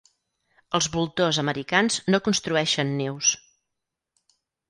Els voltors americans no construeixen nius.